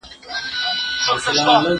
زه پوښتنه نه کوم؟!